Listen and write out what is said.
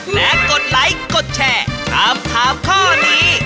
และกดไลค์กดแชร์ถามถามข้อนี้